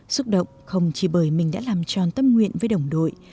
xúc động không chỉ bởi mình đã làm tròn tâm nguyện với đồng đội